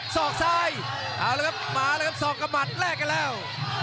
สอกซ้ายมาแล้วครับสอกกับหมัดแลกกันแล้ว